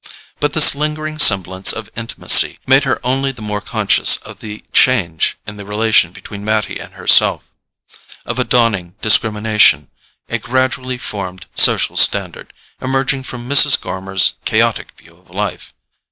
But this lingering semblance of intimacy made her only the more conscious of a change in the relation between Mattie and herself, of a dawning discrimination, a gradually formed social standard, emerging from Mrs. Gormer's chaotic view of life.